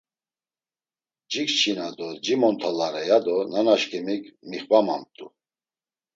Cikçina do cimontalare, ya do nanaşǩimik mixvamamt̆u.